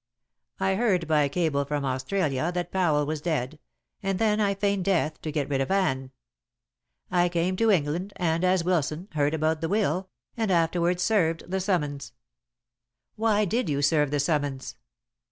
I heard by cable from Australia that Powell was dead, and then I feigned death to get rid of Anne. I came to England, and, as Wilson, heard about the will, and afterwards served the summons." "Why did you serve the summons?"